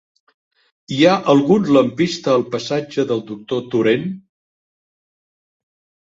Hi ha algun lampista al passatge del Doctor Torent?